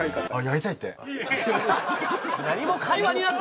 何も会話になってない！